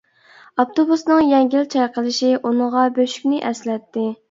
ئاپتوبۇسنىڭ يەڭگىل چايقىلىشى ئۇنىڭغا بۆشۈكنى ئەسلەتتى.